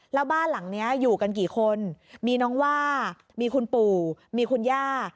แล้วบ้านหลังนี้อยู่กันกี่คนมีน้องว่ามีคุณปู่มีคุณย่า